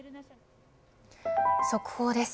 速報です。